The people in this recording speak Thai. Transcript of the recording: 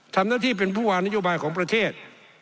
ทำหน้าที่เป็นผู้วางนโยบายของประเทศ